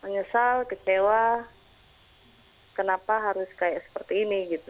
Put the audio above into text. menyesal kecewa kenapa harus kayak seperti ini gitu